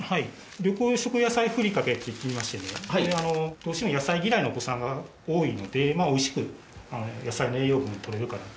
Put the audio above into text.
緑黄色野菜ふりかけっていいましてねどうしても野菜嫌いのお子さんが多いのでおいしく野菜の栄養分とれるかなと。